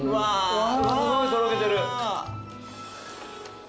すごいとろけてる。